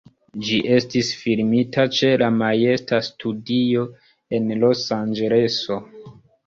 Ĝi estis filmita ĉe la Majesta Studio en Los-Anĝeleso.